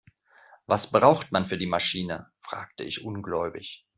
Das braucht man für die Maschine?, fragte ich ungläubig.